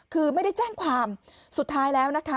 คือไม่ได้แจ้งความสุดท้ายแล้วนะคะ